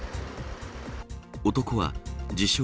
男は自称